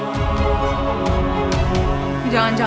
mama gak mau